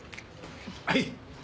はい！